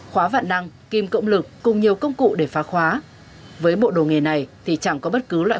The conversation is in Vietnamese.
khóa vạn năng kim cộng lực cùng nhiều công cụ để phá khóa với bộ đồ nghề này thì chẳng có bất cứ loại